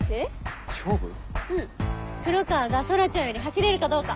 うん黒川が空ちゃんより走れるかどうか。